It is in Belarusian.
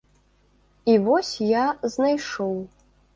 І вось я знайшоў.